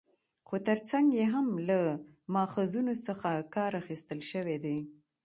خو تر څنګ يې هم له ماخذونو څخه کار اخستل شوى دى